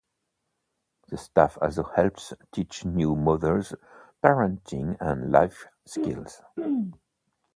The staff also helps teach new mothers parenting and life skills.